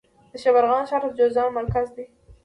د شبرغان ښار د جوزجان مرکز دی